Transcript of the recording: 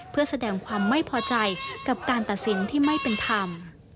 เพื่อแสดงความไม่พอใจกับการตัดสินที่ไม่เป็นธรรม